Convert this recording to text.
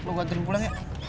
gue anderin pulang ya